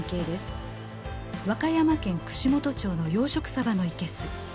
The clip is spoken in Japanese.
和歌山県串本町の養殖サバの生けす。